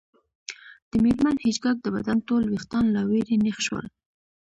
د میرمن هیج هاګ د بدن ټول ویښتان له ویرې نیغ شول